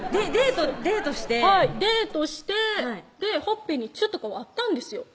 デートしてデートしてほっぺにチュッとかはあったんですよ